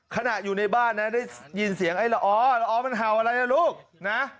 ขณะอยู่ในบ้านนะได้ยินเสียงไอ้ละออละอ๋อมันเห่าอะไรนะลูกนะ